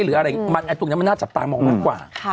หรืออะไรอย่างนี้ตรงนี้มันน่าจับตามองกว่า